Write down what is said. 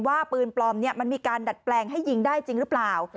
ปืนปลอมมันมีการดัดแปลงให้ยิงได้จริงหรือเปล่า